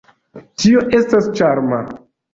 Tio estas ĉarma.